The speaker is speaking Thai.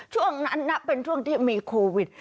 ช่วงนั้นนะเป็นช่วงที่มีโควิด